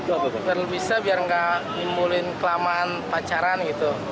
gak lebih sah biar gak nimbulin kelamaan pacaran gitu